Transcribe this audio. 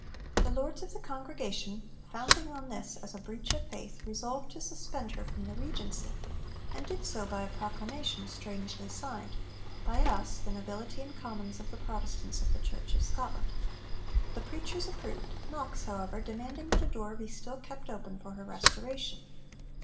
The Lords of the Congregation, founding on this as a breach of faith, resolved to suspend her from the regency, and did so by a proclamation, strangely signed: 'By us, the nobility and commons of the Protestants of the Church of Scotland.' The preachers approved, Knox, however, demanding that a door be still kept open for her restoration.